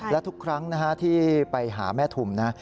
และทุกครั้งที่ไปหาแม่ทุมนะ